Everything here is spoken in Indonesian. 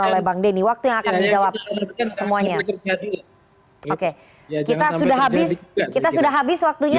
oleh bang denny waktu yang akan menjawab semuanya oke kita sudah habis kita sudah habis waktunya